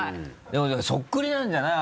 でもじゃあそっくりなんじゃない？